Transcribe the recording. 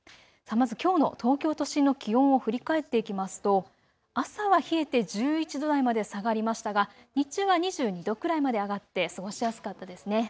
まずきょうの東京都心の気温を振り返っていきますと朝は冷えて１１度台まで下がりましたが日中は２２度くらいまで上がって過ごしやすかったですね。